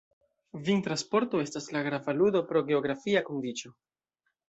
Vintra sporto estas la grava ludo pro geografia kondiĉo.